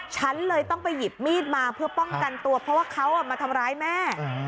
ฉันเลยต้องไปหยิบมีดมาเพื่อป้องกันตัวเพราะว่าเขามาทำร้ายแม่